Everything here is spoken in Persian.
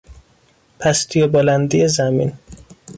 پستی و بلندی زمین